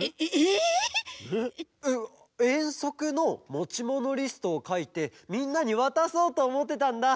えっえんそくのもちものリストをかいてみんなにわたそうとおもってたんだ。